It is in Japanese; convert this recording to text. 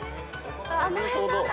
あの辺なんだけど。